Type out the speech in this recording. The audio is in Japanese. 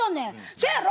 そやろ？